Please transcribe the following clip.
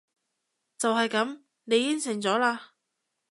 就係噉！你應承咗喇！